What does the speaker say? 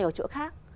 hoặc chỗ khác